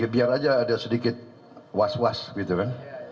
biar aja ada sedikit was was gitu kan